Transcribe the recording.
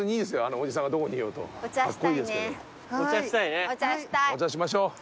お茶しましょう。